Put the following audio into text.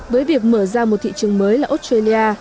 với việc mở ra một thị trường mới là australia